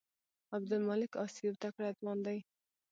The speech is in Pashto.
عبدالمالک عاصي یو تکړه ځوان دی.